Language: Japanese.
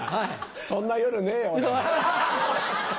そんな夜ねえよ俺。